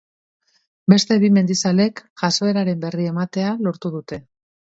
Beste bi mendizalek jazoeraren berri ematen lortu dute.